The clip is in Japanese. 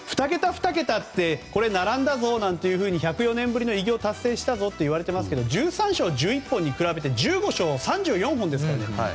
２桁２桁ってこれ、並んだぞなんて１０４年ぶりの偉業達成したぞっていわれていますけど１３勝１１本に比べて１５勝３４本ですからね。